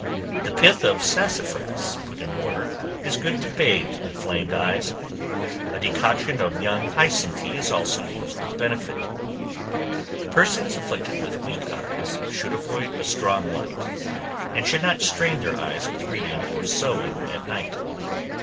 The pith of sassafras put in water, is good to bathe inflamed eyes; a decoction of young hyson tea is also used with benefit. Persons afflicted with weak eyes should avoid a strong light, and should not strain their eyes with reading or sewing at night.